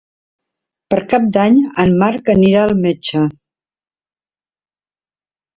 Per Cap d'Any en Marc anirà al metge.